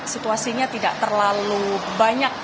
situasinya tidak terlalu banyak